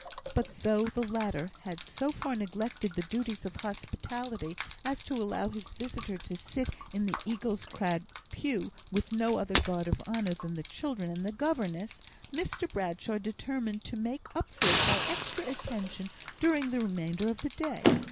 But though the latter had so far neglected the duties of hospitality as to allow his visitor to sit in the Eagle's Crag pew with no other guard of honour than the children and the governess, Mr Bradshaw determined to make up for it by extra attention during the remainder of the day.